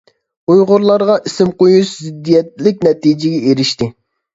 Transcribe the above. ئۇيغۇرلارغا ئىسىم قويۇش زىددىيەتلىك نەتىجىگە ئېرىشتى.